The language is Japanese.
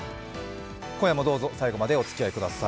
今夜もどうぞ最後までおつきあいください。